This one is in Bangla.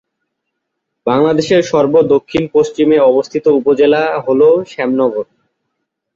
বাংলাদেশের সর্ব দক্ষিণ পশ্চিমে অবস্থিত উপজেলা হল শ্যামনগর।